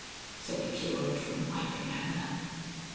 _" said the curate from Iping Hanger.